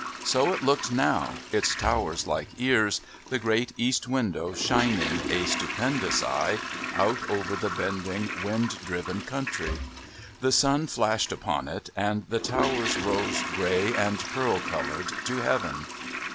So it looked now, its towers like ears, the great East window shining, a stupendous eye, out over the bending wind driven country. The sun flashed upon it, and the towers rose grey and pearl coloured to heaven.